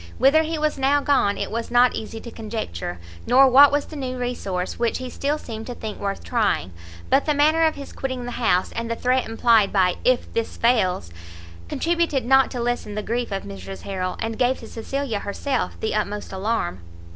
Whither he was now gone it was not easy to conjecture, nor what was the new resource which he still seemed to think worth trying; but the manner of his quitting the house, and the threat implied by if this fails, contributed not to lessen the grief of Mrs Harrel, and gave to Cecilia herself the utmost alarm.